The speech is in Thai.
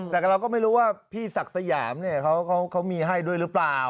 แต่เราก็ไม่รู้ว่าพี่ศักดิ์สยามเนี่ยเขามีให้ด้วยหรือเปล่า